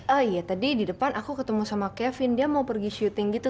ah iya tadi di depan aku ketemu sama kevin dia mau pergi syuting gitu